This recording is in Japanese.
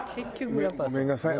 ごめんなさい